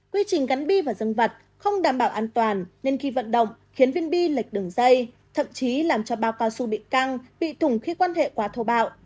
quy trình gắn bi và dân vật không đảm bảo an toàn nên khi vận động khiến viên bi lạch đường dây thậm chí làm cho bao cao su bị căng bị thủng khi quan hệ quá thô bạo